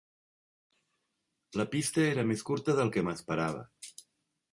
La pista era més curta del que m'esperava.